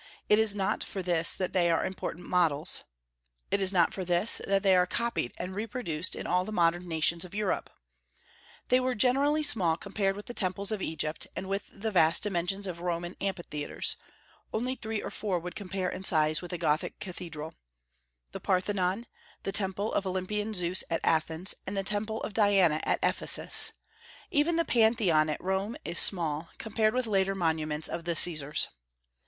It is not for this that they are important models; it is not for this that they are copied and reproduced in all the modern nations of Europe. They were generally small compared with the temples of Egypt, and with the vast dimensions of Roman amphitheatres; only three or four would compare in size with a Gothic cathedral, the Parthenon, the Temple of Olympian Zeus at Athens, and the Temple of Diana at Ephesus; even the Pantheon at Rome is small, compared with the later monuments of the Caesars.